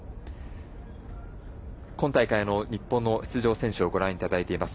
今大会の日本の出場選手をご覧いただいています。